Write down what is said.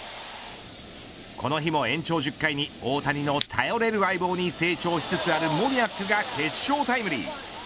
この日も延長１０回に大谷の頼れる相棒に成長しつつあるモニアクが決勝タイムリー。